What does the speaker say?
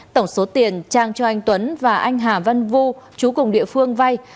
tổng số tiền trang cho anh tuấn và anh hà văn vu chú cùng địa phương vay